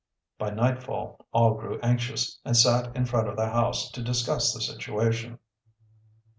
By nightfall all grew anxious, and sat in front of the house to discuss the situation.